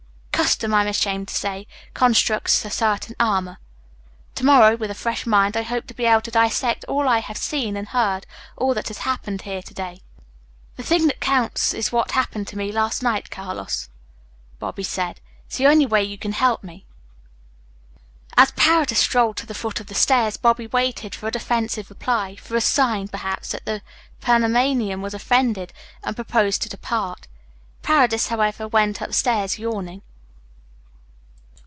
"Custom, I'm ashamed to say, constructs a certain armour. To morrow, with a fresh mind, I hope to be able to dissect all I have seen and heard, all that has happened here to day." "The thing that counts is what happened to me last night, Carlos," Bobby said. "It's the only way you can help me." As Paredes strolled to the foot of the stairs Bobby waited for a defensive reply, for a sign, perhaps, that the Panamanian was offended and proposed to depart. Paredes, however, went upstairs, yawning.